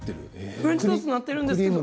フレンチトーストになってるんですけど。